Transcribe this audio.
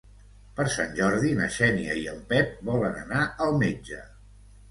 Per Sant Jordi na Xènia i en Pep volen anar al metge.